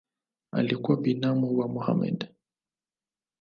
Alikuwa binamu wa Mohamed.